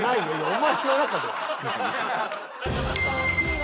お前の中でや。